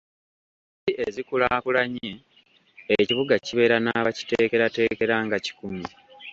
Mu nsi ezikulaakulanye, ekibuga kibeera n'abakiteekerateekera nga kikumi.